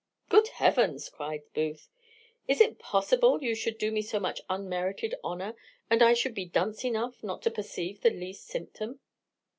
"Good Heavens!" cries Booth, "is it possible you should do me so much unmerited honour, and I should be dunce enough not to perceive the least symptom?"